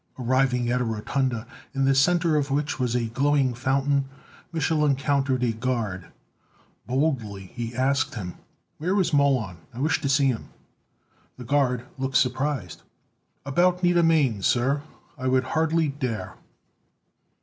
Arriving at a rotunda, in the center of which was a glowing fountain, Mich'l encountered a guard. Boldly he asked him: "Where is Mr. Mollon? I wish to see him." The guard looked surprised. "About Nida Mane, sir? I would hardly dare."